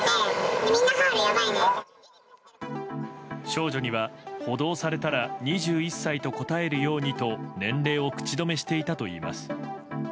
少女には補導されたら２１歳と答えるようにと年齢を口止めしていたといいます。